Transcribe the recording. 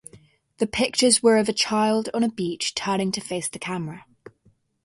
The pictures were of a child on a beach turning to face the camera.